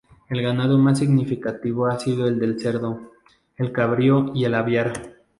El ganado más significativo ha sido el de cerdo, el cabrío y el aviar.